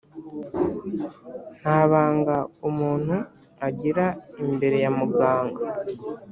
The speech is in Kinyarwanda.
nta banga umuntu agira imbere ya muganga.